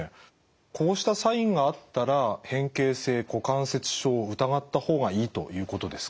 こうしたサインがあったら変形性股関節症を疑った方がいいということですか？